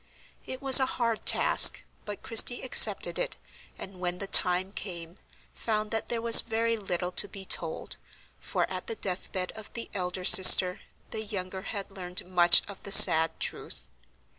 It was a hard task, but Christie accepted it, and, when the time came, found that there was very little to be told, for at the death bed of the elder sister, the younger had learned much of the sad truth.